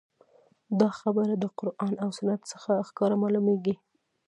دا خبره د قران او سنت څخه ښکاره معلوميږي